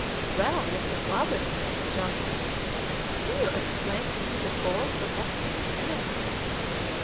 "Well, Mr. Clawbonny," said Johnson, "can you explain to me the cause of that phenomenon?"